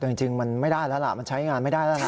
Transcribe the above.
แต่จริงมันไม่ได้แล้วล่ะมันใช้งานไม่ได้แล้วนะ